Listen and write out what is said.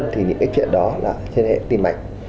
thì những cái chuyện đó là trên hệ tim mạch